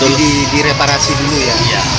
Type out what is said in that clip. jadi direparasi dulu ya